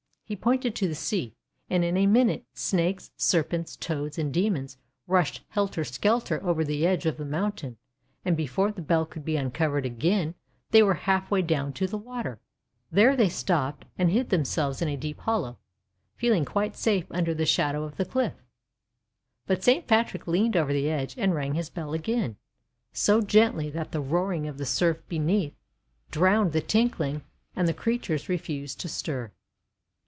He pointed to the sea, and in a minute Snakes, Serpents, Toads, and Demons rushed helter skelter over the edge of the mountain, and, before the bell could be uncovered again they were half way down to the water. There they stopped, and hid themselves in a deep hollow, feeling quite safe under the shadow of the cliff. But Saint Patrick leaned over the edge, and rang his bell again, so gently that the roaring of the surf beneath drowned the tinkling, and the creatures refused to stir.